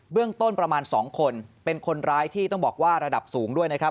เรื่องต้นประมาณ๒คนเป็นคนร้ายที่ต้องบอกว่าระดับสูงด้วยนะครับ